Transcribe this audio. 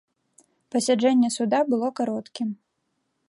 Пасяджэнне суда было кароткім.